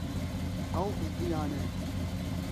Ew bizdiyane.